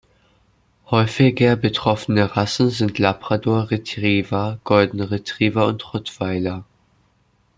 Häufiger betroffene Rassen sind Labrador Retriever, Golden Retriever und Rottweiler.